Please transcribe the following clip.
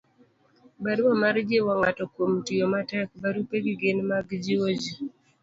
barua mar jiwo ng'ato kuom tiyo matek. barupegi gin mag jiwo ji